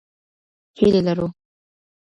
هیلې لرو.